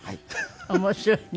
面白いね。